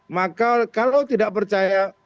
maka kalau tidak percaya